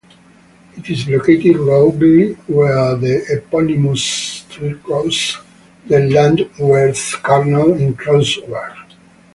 It is located roughly where the eponymous street crosses the Landwehrkanal in Kreuzberg.